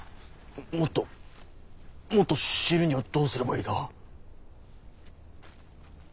もっともっと知るにはどうすればいいだ？